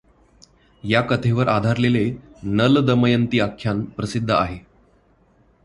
या कथेवर आधारलेले नल दमयंती आख्यान प्रसिद्ध आहे.